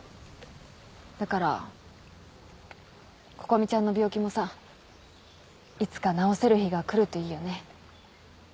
だから心美ちゃんの病気もさいつか治せる日が来るといいよね。